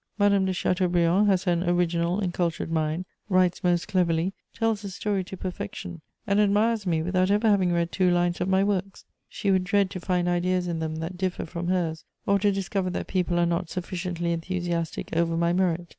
Madame de Chateaubriand has an original and cultured mind, writes most cleverly, tells a story to perfection, and admires me without ever having read two lines of my works: she would dread to find ideas in them that differ from hers, or to discover that people are not sufficiently enthusiastic over my merit.